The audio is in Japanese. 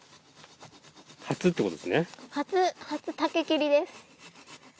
初ってことですね。